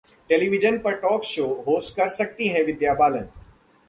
television पर talk show host कर सकती हैं विद्या बालन